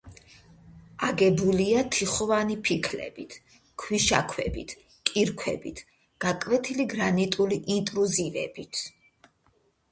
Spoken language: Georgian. აგებულია თიხოვანი ფიქლებით, ქვიშაქვებით, კირქვებით, გაკვეთილი გრანიტული ინტრუზივებით.